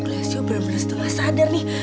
duh gassio bener bener setengah sadar nih